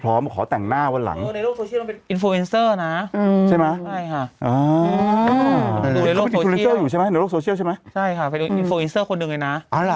โอ้โฮหันน้ำได้๑๕๐๐๐ตัวเลยนะ